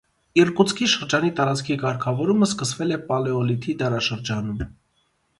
Իրկուտսկի շրջանի տարածքի կարգավորումը սկսվել է պալեոլիթի դարաշրջանում։